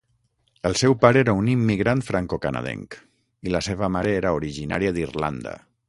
El seu pare era un immigrant francocanadenc, i la seva mare era originària d'Irlanda.